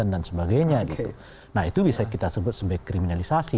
nah itu bisa kita sebut sebagai kriminalisasi